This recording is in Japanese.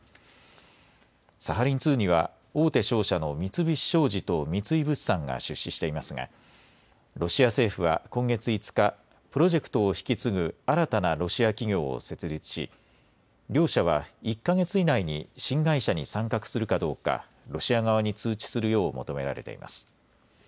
サハリン２には、大手商社の三菱商事と三井物産が出資していますが、ロシア政府は今月５日、プロジェクトを引き継ぐ新たなロシア企業を設立し、両社は１か月以内に新会社に参画するかどうか、ロシア側に通知するよう求められています。